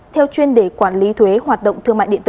theo chuyên đề quản lý thuế hoạt động thương mại điện tử